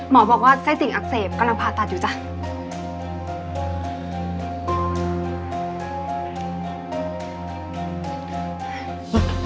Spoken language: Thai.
หมอบอกว่าไส้ติ่งอักเสบกำลังผ่าตัดอยู่จ้ะ